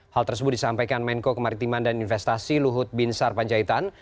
hal tersebut disampaikan menko kemaritiman dan investasi luhut bin sarpanjaitan